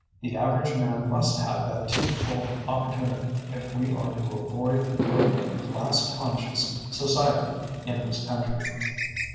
The average man must have that twofold opportunity if we are to avoid the growth of a class conscious society in this country.